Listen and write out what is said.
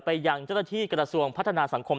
ไปยังเจ้าตัวที่กราศวงส์พัฒนาสังคม